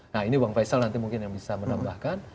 nah ini bang faisal nanti mungkin yang bisa menambahkan